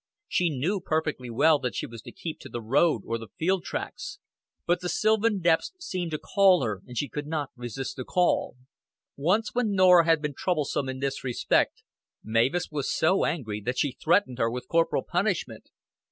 She knew perfectly well that she was to keep to the road or the field tracks, but the sylvan depths seemed to call her and she could not resist the call. Once when Norah had been troublesome in this respect, Mavis was so angry that she threatened her with corporal punishment.